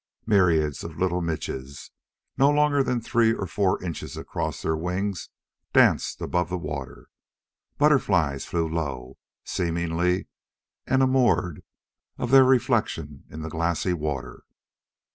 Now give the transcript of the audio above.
Myriads of little midges, no more than three or four inches across their wings, danced above the water. Butterflies flew low, seemingly enamoured of their reflections in the glassy water.